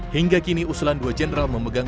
hingga kini usulan dua jenderal memegang